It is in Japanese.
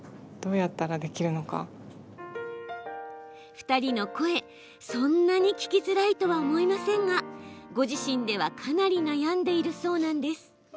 ２人の声、そんなに聞きづらいとは思いませんがご自身ではかなり悩んでいるそうなんです。